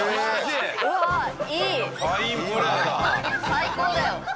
最高だよ。